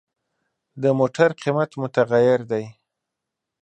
د موټر قیمت متغیر دی.